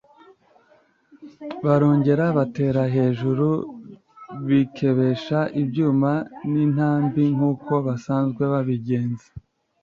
Barongera batera hejuru, bikebesha ibyuma n’intambi nk’uko basanzwe babigenza